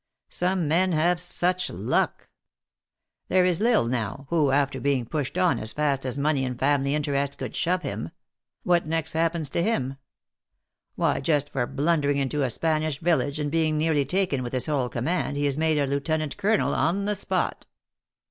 O Some men have such luck ! There is L Isle now, who, after being pushed on as fast as money and family in THE ACTRESS IN HIGH LIFE. 31 tereat could shove him ; what next happens to him? Why just for blundering into a Spanish village, and being nearly taken with his whole command, he is made a lieutenant colonel on the spot."